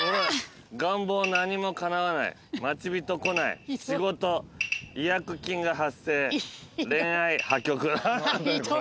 「願望何も叶わない」「待ち人来ない」「仕事違約金が発生」「恋愛破局」何なんだよこれ！